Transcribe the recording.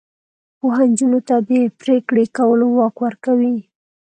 پوهه نجونو ته د پریکړې کولو واک ورکوي.